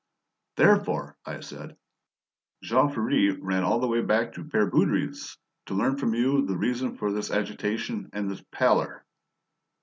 "Therefore," I said, "Jean Ferret ran all the way to Pere Baudry's to learn from you the reason for this agitation and this pallor?"